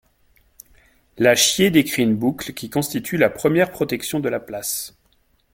La Chiers décrit une boucle qui constitue la première protection de la place.